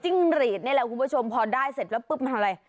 หรีดนี่แหละคุณผู้ชมพอได้เสร็จแล้วปุ๊บมันทำอะไร